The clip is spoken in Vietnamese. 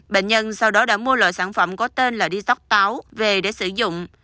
bệnh nhân sau đó đã mua loại sản phẩm có tên là detox táo về để sử dụng